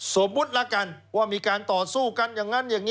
สมมุติละกันว่ามีการต่อสู้กันอย่างนั้นอย่างนี้